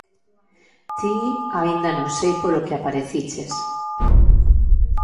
Ti, aínda non sei polo que apareciches...